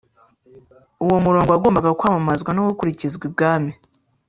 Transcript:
uwo murongo wagombaga kwamamazwa no gukwirakwizwa ibwami